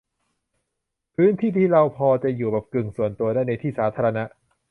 พื้นที่ที่เราพอจะอยู่แบบกึ่งส่วนตัวได้ ในที่สาธารณะ